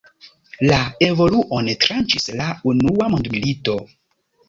La evoluon tranĉis la unua mondmilito.